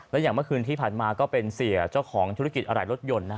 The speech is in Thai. และอย่างเมื่อคืนที่ผ่านมาก็เป็นเสียเจ้าของธุรกิจอะไรรถยนต์